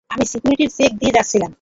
আমি security check দিয়ে যাচ্ছিলাম।